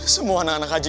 semua anak anak haji